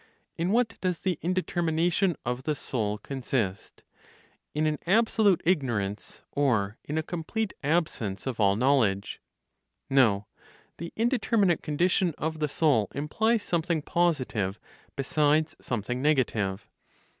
In what does the indetermination of the soul consist? In an absolute ignorance, or in a complete absence of all knowledge? No: the indeterminate condition of the soul implies something positive (besides something negative).